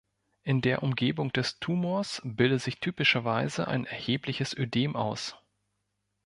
In der Umgebung des Tumors bildet sich typischerweise ein erhebliches Ödem aus.